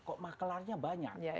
kok makelarnya banyak